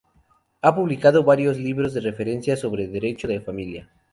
Ha publicado varios libros de referencia sobre derecho de familia.